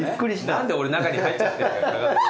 何で俺中に入っちゃってんだ。